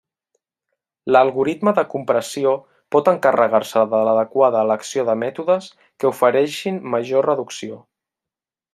L’algoritme de compressió pot encarregar-se de l'adequada elecció de mètodes que ofereixin major reducció.